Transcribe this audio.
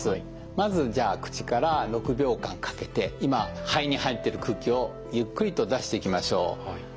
まず口から６秒間かけて今肺に入っている空気をゆっくりと出していきましょう。